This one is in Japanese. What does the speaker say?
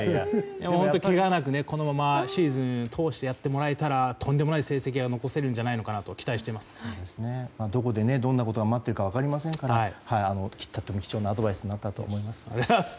本当にけがなくシーズン通してやってもらえたらとんでもない成績が残せるとどこでどんなことが待っているか分からないので貴重なアドバイスになったと思います。